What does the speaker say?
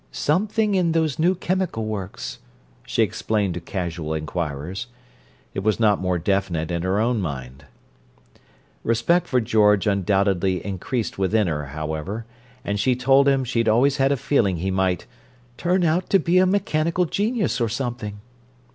"Something in those new chemical works," she explained to casual inquirers. It was not more definite in her own mind. Respect for George undoubtedly increased within her, however, and she told him she'd always had a feeling he might "turn out to be a mechanical genius, or something."